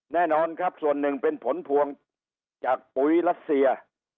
แน่นอนครับส่วนหนึ่งเป็นผลพวงจากปุ๋ยรัสเซีย